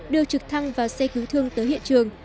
đưa trực thăng và xe cứu thương tới hiện trường